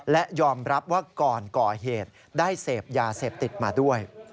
และยอมรับว่าก่อนก่อเหตุได้เสพยาเสพติดมาด้วย